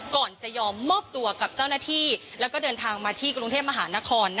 ก่อนจะยอมมอบตัวกับเจ้าหน้าที่แล้วก็เดินทางมาที่กรุงเทพมหานคร